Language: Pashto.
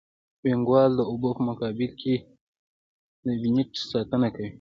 وینګ وال د اوبو په مقابل کې د ابټمنټ ساتنه کوي